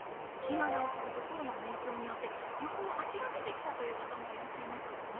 今なお続くコロナの影響によって旅行を諦めてきたという方もいらっしゃいますよね。